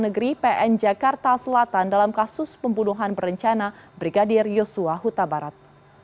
negeri pn jakarta selatan dalam kasus pembunuhan berencana brigadir yosua huta barat